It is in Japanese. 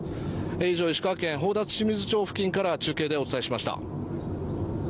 以上、石川県宝達志水町付近から中継でお伝えしました。